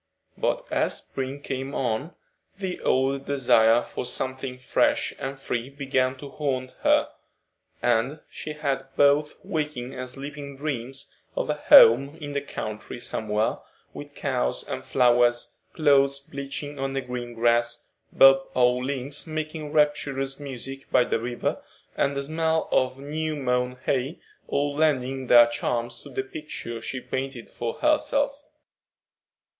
But as spring came on, the old desire for something fresh and free began to haunt her, and she had both waking and sleeping dreams of a home in the country somewhere, with cows and flowers, clothes bleaching on green grass, bob o' links making rapturous music by the river, and the smell of new mown hay, all lending their charms to the picture she painted for herself.